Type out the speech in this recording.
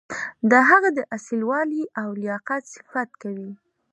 د هغه د اصیل والي او لیاقت صفت کوي.